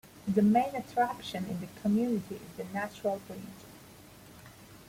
The main attraction in the community is the Natural Bridge.